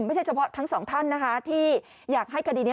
ไม่ใช่เฉพาะทั้งสองท่านนะคะที่อยากให้คดีนี้